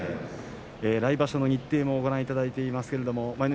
来場所の日程をご覧いただいています。